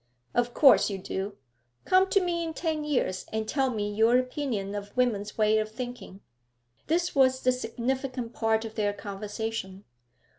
'Of course you do. Come to me in ten years and tell me your opinion of women's ways of thinking.' This was the significant part of their conversation.